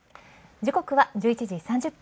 時刻は１１時３０分。